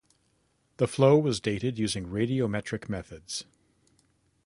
The flow was dated using radiometric methods.